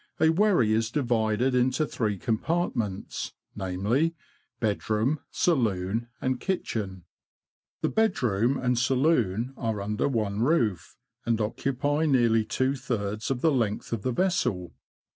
A wherry is divided into three compartments — viz., bedroom, saloon, and kitchen. The bed room and saloon are under one roof, and occupy nearly two thirds of the length of the vessel.